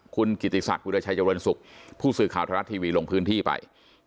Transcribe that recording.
คุณกิติศักดิราชัยเจริญสุขผู้สื่อข่าวทรัฐทีวีลงพื้นที่ไป